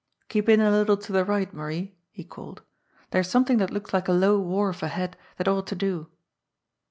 "Keep in a little to the right, Marie," he called. "There's something that looks like a low wharf ahead that ought to do."